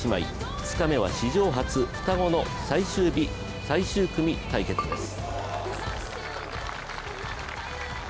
２日目は史上初、双子の最終組対決です。